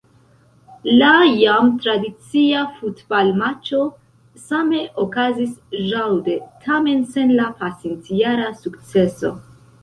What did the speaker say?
La jam tradicia futbalmaĉo same okazis ĵaŭde, tamen sen la pasintjara sukceso.